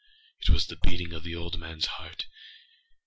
It was the beating of the old manâs heart.